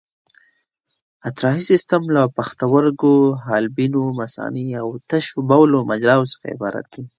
اطراحي سیستم له پښتورګو، حالبینو، مثانې او د تشو بولو مجراوو څخه عبارت دی.